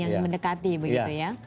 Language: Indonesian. yang mendekati begitu ya